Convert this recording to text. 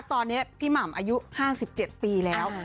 ตอนนี้พี่หม่ำอายุ๕๗ปีแล้ว